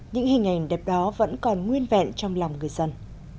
những hình ảnh đẹp đó vẫn còn nguyên vẹn trong lòng người dân